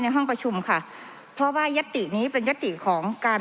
ห้องประชุมค่ะเพราะว่ายัตตินี้เป็นยติของการ